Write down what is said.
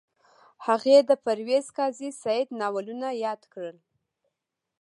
هغې د پرویز قاضي سعید ناولونه یاد کړل